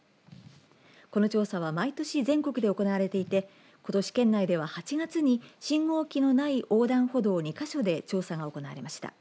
この調査は毎年、全国で行われていてことし県内では８月に信号機のない横断歩道２か所で調査が行われました。